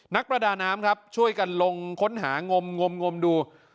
นักประดาน้ำครับช่วยกันลงค้นหางมดู